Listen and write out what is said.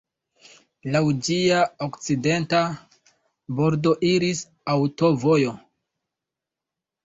Laŭ ĝia okcidenta bordo iris aŭtovojo.